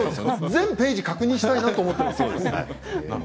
全ページ確認したいと思います。